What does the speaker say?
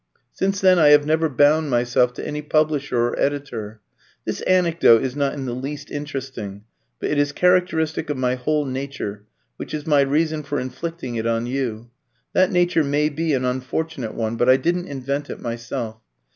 Since then I have never bound myself to any publisher or editor. This anecdote is not in the least interesting, but it is characteristic of my whole nature, which is my reason for inflicting it on you. That nature may be an unfortunate one, but I didn't invent it myself.